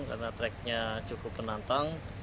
karena treknya cukup menantang